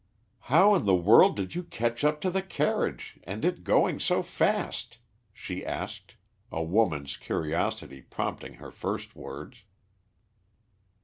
"How in the world did you catch up to the carriage and it going so fast?" she asked, a woman's curiosity prompting her first words.